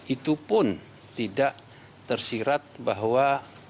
itu pun tidak tersirat bahwa